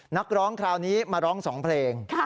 นักร้องคราวนี้มาร้อง๒เพลง